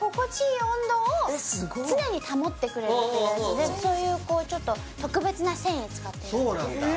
いい温度を常に保ってくれるっていうやつでそういうこうちょっと特別な繊維使ってるそうなんだ